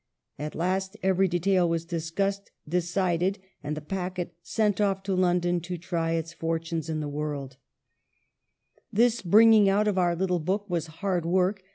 At last every detail was discussed, de cided, and the packet sent off to London to try its fortunes in the world : "This bringing out of our little book was hard work.